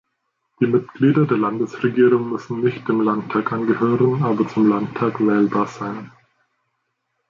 Die Mitglieder der Landesregierung müssen nicht dem Landtag angehören, aber zum Landtag wählbar sein.